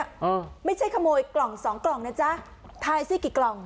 อ่าไม่ใช่ขโมยกล่องสองกล่องนะจ๊ะทายสิกี่กล่อง